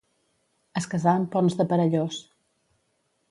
Es casà amb Ponç de Perellós.